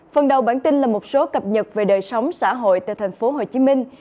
phần đầu bản tin là một số cập nhật về đời sống xã hội tại thành phố hồ chí minh